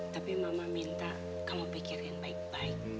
tapi mama minta kamu pikirin baik baik